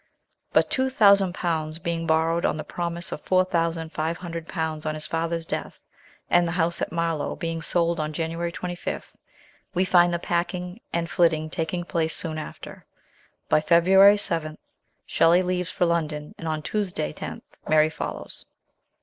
But two thousand pounds being borrowed on the promise of four thousand five hundred pounds on his father's death, and the house at Marlow being sold on January 25th, we find the packing and flitting taking place soon after. By February 7, Shelley leaves for London, and on Tuesday 10th Mary follows.